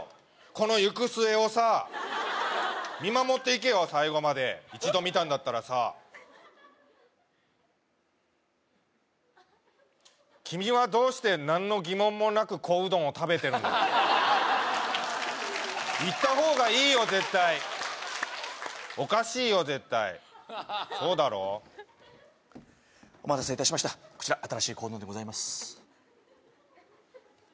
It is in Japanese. この行く末をさ見守っていけよ最後まで一度見たんだったらさ君はどうして何の疑問もなく小うどんを食べてるんだよ言った方がいいよ絶対おかしいよ絶対そうだろお待たせいたしましたこちら新しい小うどんでございます